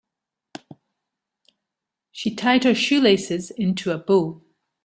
She tied her shoelaces into a bow.